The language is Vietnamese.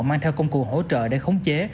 mang theo công cụ hỗ trợ để khống chế